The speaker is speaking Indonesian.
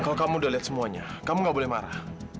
kalau kamu udah lihat semuanya kamu gak boleh marah